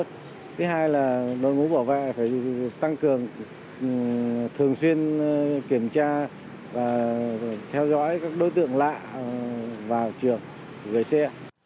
thứ hai là đội ngũ bảo vệ phải tăng cường thường xuyên kiểm tra và theo dõi các đối tượng lạ vào trường gửi xe